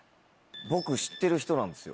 僕知ってる人なんですよ。